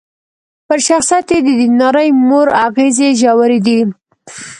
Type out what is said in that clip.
پر شخصيت يې د ديندارې مور اغېزې ژورې دي.